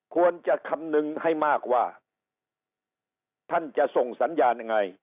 ควรจะคำนึงให้มากว่าท่านจะส่งสัญญาณยังไง